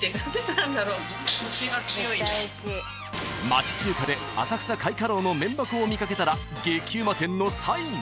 ［町中華で浅草開化楼の麺箱を見掛けたら激うま店のサイン。